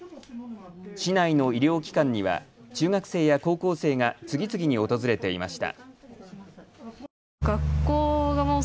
市内の医療機関には中学生や高校生が次々に訪れていました。